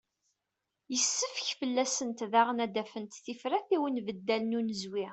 Yessefk fell-asent daɣen ad d-afent tifrat i unbeddal n unezwi.